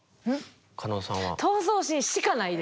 加納さんは。